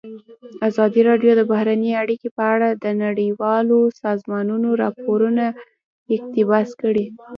ازادي راډیو د بهرنۍ اړیکې په اړه د نړیوالو سازمانونو راپورونه اقتباس کړي.